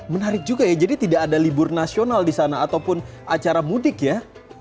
menarik juga ya jadi tidak ada libur nasional di sana ataupun acara mudik ya